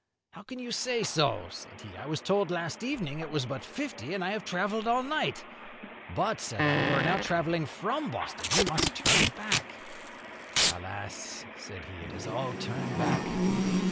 'How can you say so?' said he. 'I was told last evening it was but fifty, and I have travelled all night.' 'But,' said I, 'you are now travelling from Boston. You must turn back.' 'Alas!' said he, 'it is all turn back!